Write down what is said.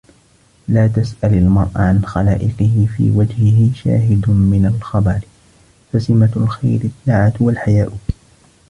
لَا تَسْأَلْ الْمَرْءَ عَنْ خَلَائِقِهِ فِي وَجْهِهِ شَاهِدٌ مِنْ الْخَبَرِ فَسِمَةُ الْخَيْرِ الدَّعَةُ وَالْحَيَاءُ